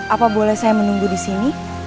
apa boleh saya menunggu di sini